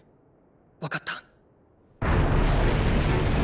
わかった。